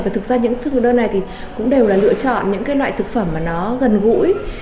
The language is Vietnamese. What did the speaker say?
và thực ra những thức hóa đơn này thì cũng đều là lựa chọn những cái loại thực phẩm mà nó gần gũi